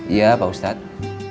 iya pak ustadz